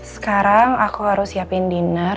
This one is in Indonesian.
sekarang aku harus siapin dinner